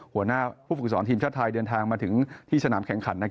หัวหน้าผู้ฝึกสอนทีมชาติไทยเดินทางมาถึงที่สนามแข่งขัน